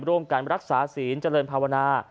ร่วมกันรักษาศีลเจริญภาวนา